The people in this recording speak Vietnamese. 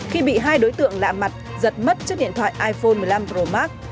khi bị hai đối tượng lạ mặt giật mất trước điện thoại iphone một mươi năm pro max